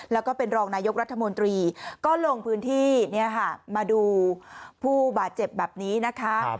แล้วก็เป็นรองนายกรัฐมนตรีก็ลงพื้นที่มาดูผู้บาดเจ็บแบบนี้นะคะ